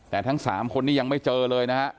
แต่ทั้ง๓คนนี้ยังไม่เจอเลยนะฮะ